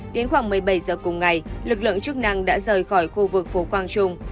đến khoảng một mươi bảy h cùng ngày lực lượng chức năng đã rời khỏi khu vực phố quang trung